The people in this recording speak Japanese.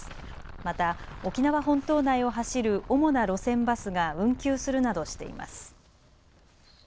また沖縄本島内を走る主な路線バスが運休するなどしています。